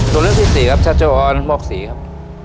ตัวเลือกที่สี่ครับชัชออนมอกศรีครับ